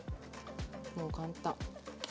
もう簡単。